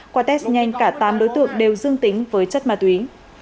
qua test nhanh cả tám đối tượng đều dương tính với chất ma túy